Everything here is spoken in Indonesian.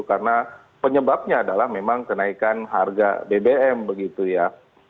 karena penyebabnya adalah memang kenaikan harga bbm begitu ya